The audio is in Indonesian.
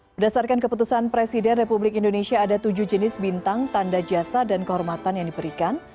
berdasarkan keputusan presiden republik indonesia ada tujuh jenis bintang tanda jasa dan kehormatan yang diberikan